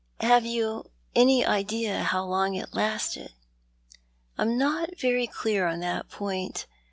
" Have you any idea how long it lasted ?"" I am not very clear on that point.